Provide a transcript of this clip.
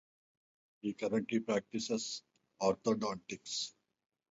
He currently practices orthodontics.